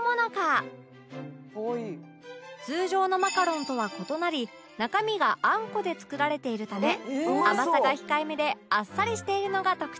「可愛い」通常のマカロンとは異なり中身があんこで作られているため甘さが控えめであっさりしているのが特徴